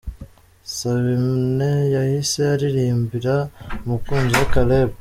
Sabine yahise aririmbira umukunze we Caleb.